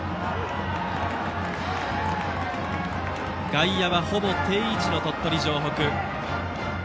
外野はほぼ定位置の鳥取城北。